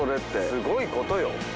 すごいことよ。